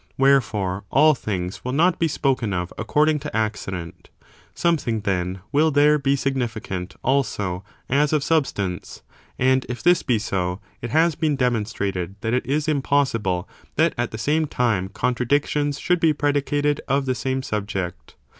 Wherefore, all things will not be spoken of according to accident; something, then, will there be significant, also, as of substance; and if this be so, it has been demonstrated that it is impossible that at the same time contradictions should be predicated of the same subject.